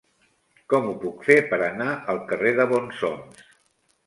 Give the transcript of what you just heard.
Com ho puc fer per anar al carrer de Bonsoms?